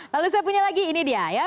lalu saya punya lagi ini dia ya